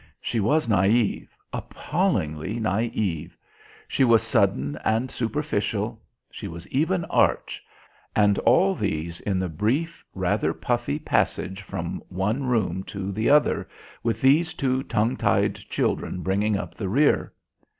She was naïve appallingly naïve; she was sudden and superficial; she was even arch; and all these in the brief, rather puffy passage from one room to the other, with these two tongue tied children bringing up the rear.